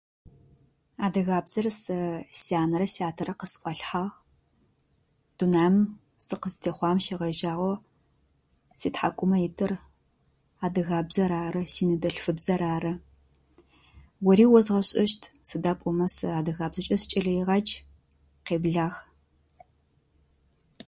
Адыгабзэр сэ сянэрэ сятэрэ къысӏуалъхьагъ. Дунаим сыкъыстехъуагъым щегъажагъо ситхьакӏумэ итыр адыгабзэр ары, синыдэлъфыбзэр ары. Ори озгъэшӏэщт, сыда пӏомэ сэ адыгабзэкӏэ сыкӏэлэегъадж. Къэблагъ.